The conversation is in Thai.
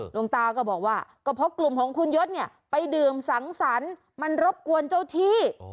หลวงตาก็บอกว่าก็พบกลุ่มของคุณยศเนี่ยไปดื่มสังสรรค์มันรบกวนเจ้าที่